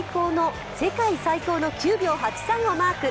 世界最高の９秒８３をマーク。